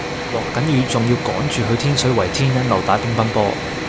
落緊雨仲要趕住去天水圍天恩路打乒乓波